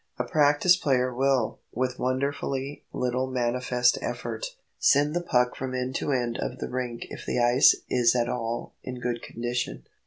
A practised player will, with wonderfully little manifest effort, send the puck from end to end of the rink if the ice is at all in good condition.